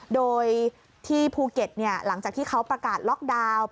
โดยที่ภูเก็ตหลังจากที่เขาประกาศล็อกดาวน์